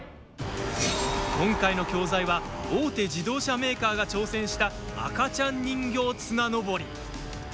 今回の教材は大手自動車メーカーが挑戦した赤ちゃん人形綱登り。